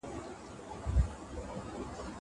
مېوې د زهشوم له خوا خورل کيږي.